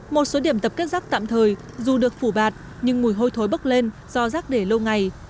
một số điểm tập kết rác tạm thời dù được phủ bạt nhưng mùi hôi thối bốc lên do rác để lâu ngày